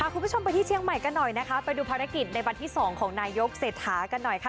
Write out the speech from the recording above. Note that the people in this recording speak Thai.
คุณผู้ชมไปที่เชียงใหม่กันหน่อยนะคะไปดูภารกิจในวันที่๒ของนายกเศรษฐากันหน่อยค่ะ